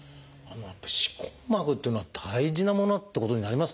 歯根膜というのは大事なものってことになりますね。